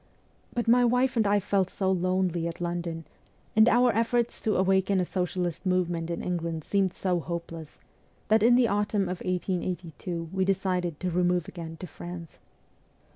But my wife and I felt so lonely at London, and our efforts to awaken a socialist movement in England seemed so hopeless, that in the autumn of 1882 we decided to remove again to France.